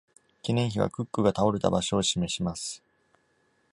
記念碑は、クックが倒れた場所を示します。